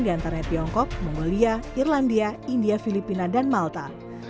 di antaranya tiongkok mongolia irlandia india filipina dan malta